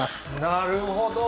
なるほど。